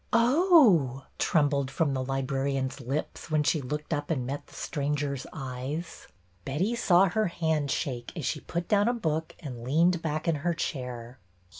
" Oh !" trembled from the librarian's lips when 198 BETTY BAIRD'S VENTURES she looked up and met the stranger's eyes. Betty saw her hand shake as she put down a book and leaned back in her chair.